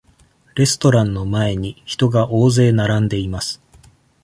レストランの前に、人が大勢並んでいます。